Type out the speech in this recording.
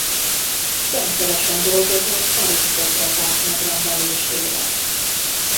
Rendszeresen dolgozott arisztokraták megrendelésére.